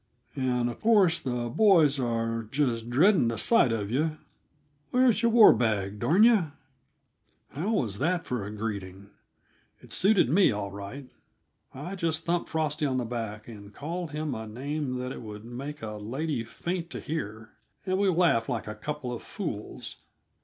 And, uh course, the boys are just dreading the sight of yuh. Where's your war bag, darn yuh?" How was that for a greeting? It suited me, all right. I just thumped Frosty on the back and called him a name that it would make a lady faint to hear, and we laughed like a couple of fools.